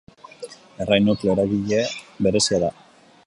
Errai nukleo eragile berezia da.